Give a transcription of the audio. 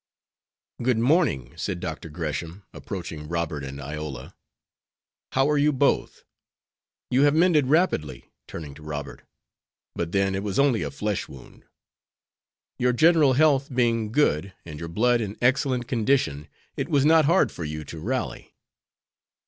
"Good morning," said Dr. Gresham, approaching Robert and Iola. "How are you both? You have mended rapidly," turning to Robert, "but then it was only a flesh wound. Your general health being good, and your blood in excellent condition, it was not hard for you to rally."